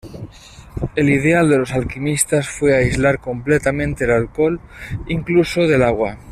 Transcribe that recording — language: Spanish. El ideal de los alquimistas fue aislar completamente el alcohol, incluso del agua.